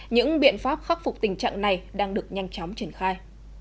những biện pháp khắc phục tình trạng này đang được nhanh chóng triển khai